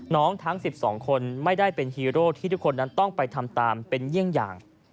ทั้ง๑๒คนไม่ได้เป็นฮีโร่ที่ทุกคนนั้นต้องไปทำตามเป็นเยี่ยงอย่าง